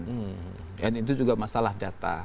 itu juga masalah data